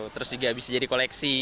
terus juga bisa jadi koleksi